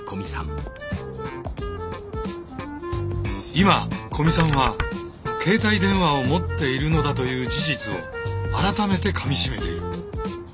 今古見さんは携帯電話を持っているのだという事実を改めてかみしめている。